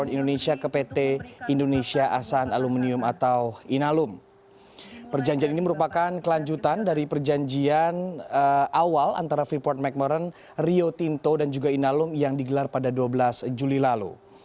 perjanjian ini merupakan kelanjutan dari perjanjian awal antara freeport mcmoran rio tinto dan juga inalum yang digelar pada dua belas juli lalu